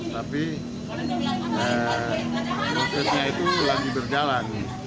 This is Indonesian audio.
tapi prosesnya itu lagi berjalan